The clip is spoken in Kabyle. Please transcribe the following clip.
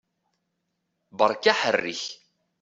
Beṛka aḥerrek!